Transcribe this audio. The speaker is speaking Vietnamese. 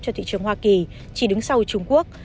cho thị trường hoa kỳ chỉ đứng sau trung quốc